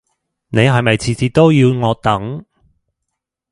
你係咪次次都要我等？